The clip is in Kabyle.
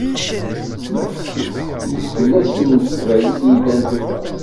Ddeqs n yisnasen s teqbaylit i yellan tura.